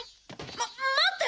ま待って！